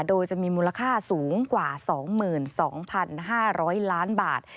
โดยจะมีมูลค่าสูงกว่า๒๒๕๐๐ล้านบาท